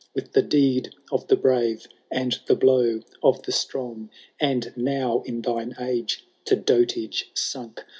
With the deed of the brave, and the blow of the strong ; And now, in thine age to dotage sunk.